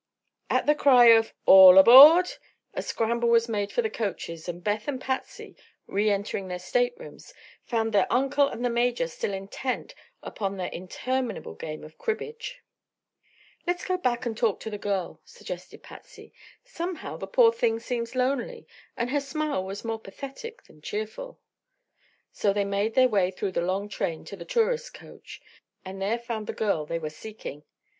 At the cry of "all aboard!" a scramble was made for the coaches and Beth and Patsy, re entering their staterooms, found their Uncle and the Major still intent upon their interminable game of cribbage. "Let's go back and talk to the girl," suggested Patsy. "Somehow, the poor thing seems lonely, and her smile was more pathetic than cheerful." So they made their way through the long train to the tourist coach, and there found the girl they were seeking.